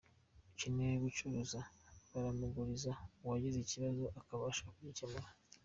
Ukeneye gucuruza baramuguriza, uwagize ikibazo akabasha kugikemura.